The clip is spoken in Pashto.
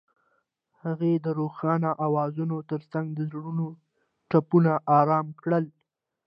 هغې د روښانه اوازونو ترڅنګ د زړونو ټپونه آرام کړل.